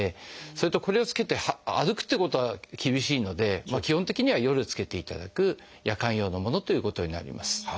それとこれを着けて歩くっていうことは厳しいので基本的には夜着けていただく夜間用のものということになります。